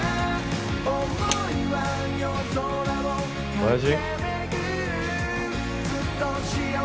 おやじ？